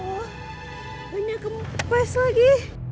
oh banyak kemukusan lagi